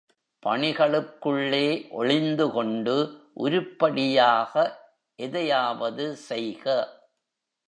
பணிகளுக்குள்ளே ஒளிந்துகொண்டு உருப்படியாக எதையாவது செய்க.